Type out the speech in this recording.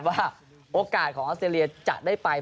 ว่าโอกาสของออสเตรเลียจะได้ไป